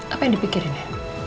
apa yang dipikirin ya